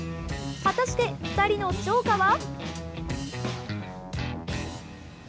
果たして２人の釣果は。